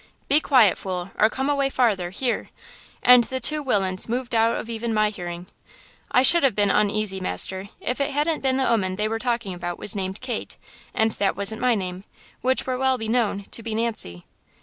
"'Be quiet, fool, or come away farther–here.' And the two willains moved out of even my hearing. "'I should o' been uneasy, master, if it hadn't been the 'oman they were talking about was named Kate, and that wasn't my name, which were well beknown to be Nancy.'